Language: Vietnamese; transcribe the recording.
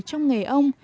trong nghề ông